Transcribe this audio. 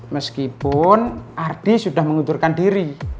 meskipun ardi sudah mengundurkan diri